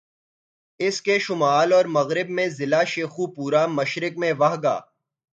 اسکے شمال اور مغرب میں ضلع شیخوپورہ، مشرق میں واہگہ